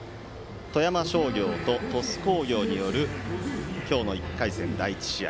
富山商業と鳥栖工業による今日の１回戦、第１試合。